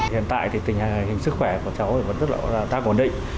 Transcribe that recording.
hiện tại thì tình hình sức khỏe của cháu vẫn rất là tăng ổn định